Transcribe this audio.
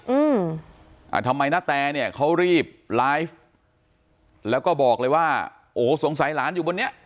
อืมอ่าทำไมนาแตเนี่ยเขารีบไลฟ์แล้วก็บอกเลยว่าโอ้สงสัยหลานอยู่บนเนี้ย